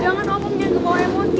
jangan om menyangka bawa emosi